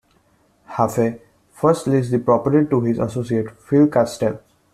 Jaffe first leased the property to his associate, Phil Kastel.